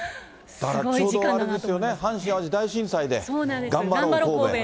だからちょうどあれですよね、阪神・淡路大震災で頑張ろう神戸。